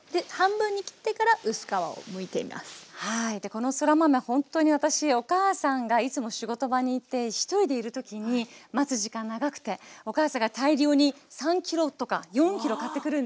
このそら豆ほんとに私お母さんがいつも仕事場にいて一人でいる時に待つ時間長くてお母さんが大量に３ｋｇとか４ｋｇ買ってくるんですよ。